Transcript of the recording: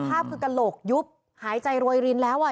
ภาพคือกระโหลกยุบหายใจโรยรินแล้วอ่ะ